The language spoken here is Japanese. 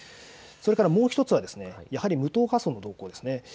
それからもう１つはやはり無党派層です。